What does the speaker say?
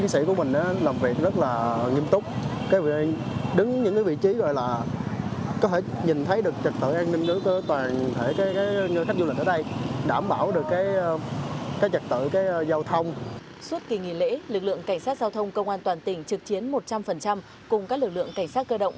suốt kỳ nghỉ lễ lực lượng cảnh sát giao thông công an toàn tỉnh trực chiến một trăm linh cùng các lực lượng cảnh sát cơ động